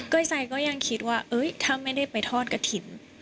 ไซดก็ยังคิดว่าถ้าไม่ได้ไปทอดกระถิ่น